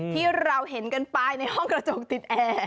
ที่เราเห็นกันไปในห้องกระจกติดแอร์